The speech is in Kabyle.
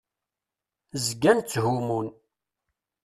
Zgan tthumun.